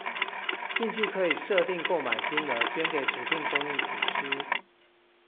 進去可以設定購買金額捐給指定公益組織